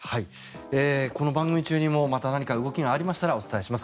この番組中にも何か動きがありましたらお伝えします。